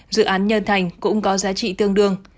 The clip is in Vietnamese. dự án nhân thành cũng có giá trị tương đương